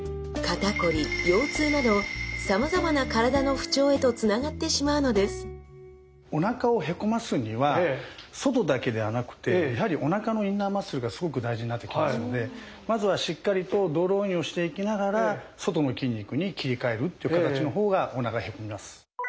姿勢も崩れへとつながってしまうのですおなかをへこますには外だけではなくてやはりおなかのインナーマッスルがすごく大事になってきますのでまずはしっかりとドローインをしていきながら外の筋肉に切り替えるっていう形の方がおなかがへこみます！